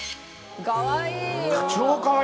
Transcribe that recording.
かわいいよ！